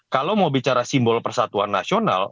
kalau mau bicara simbol persatuan nasional